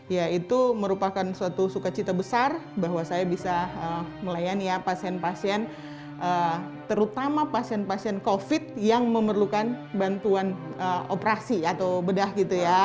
ya itu merupakan suatu sukacita besar bahwa saya bisa melayani ya pasien pasien terutama pasien pasien covid yang memerlukan bantuan operasi atau bedah gitu ya